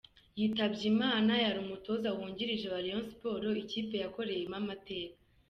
Yitabye Imana yari umutoza wungirije wa Rayon Sports, ikipe yakoreyemo amateka.